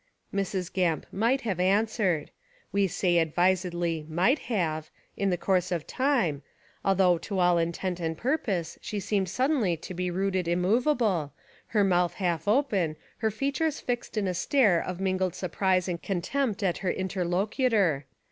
Mrs. Gamp might have answered. We say advisedly "might have," In the course of time, although to all Intent and purpose she seemed suddenly to be rooted Immovable, her mouth half open, her features fixed In a stare of min gled surprise and contempt at her Interlocutor.